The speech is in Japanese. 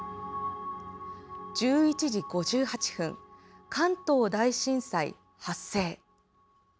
１１時５８分、関東大震災発生。